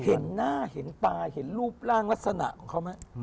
เห็นหน้าเห็นตาเห็นรูปร่างลักษณะของเขาไหม